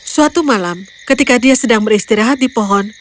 suatu malam ketika dia sedang beristirahat di pohon